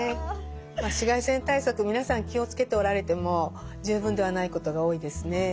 まあ紫外線対策皆さん気を付けておられても十分ではないことが多いですね。